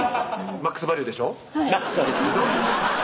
マックスバリュです